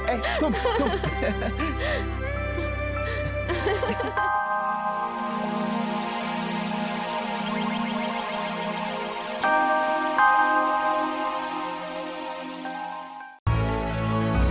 eh sump sump